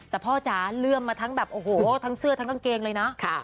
แต่พ่อจ๋าเลื่อมมาทั้งแบบโอ้โหทั้งเสื้อทั้งกางเกงเลยนะ